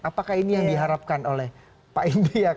apakah ini yang diharapkan oleh pak indy ya